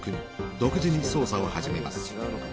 独自に捜査を始めます。